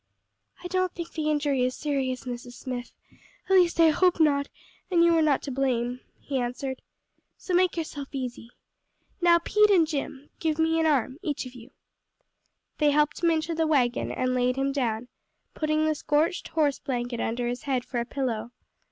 "I don't think the injury is serious, Mrs. Smith, at least I hope not; and you were not to blame," he answered, "so make yourself easy. Now, Pete and Jim, give me an arm, each of you." They helped him into the wagon and laid him down, putting the scorched horse blanket under his head for a pillow.